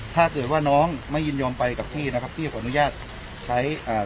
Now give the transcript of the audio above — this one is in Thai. ถ้าเกิดว่าน้องไม่ยินยอมไปกับพี่นะครับพี่ขออนุญาตใช้อ่า